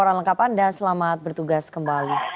siapa yang akan menekan kib